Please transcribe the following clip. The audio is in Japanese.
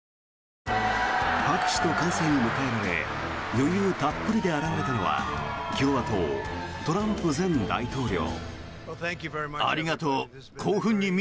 拍手と歓声に迎えられ余裕たっぷりで現れたのは共和党、トランプ大統領。